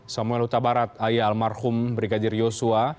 samuel utabarat ayah almarhum brigadir yosua